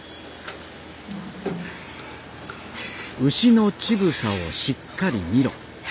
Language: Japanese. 「牛の乳房をしっかり見ろ」。